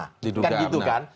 kan gitu kan